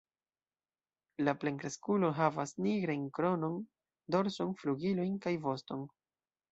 La plenkreskulo havas nigrajn kronon, dorson, flugilojn kaj voston.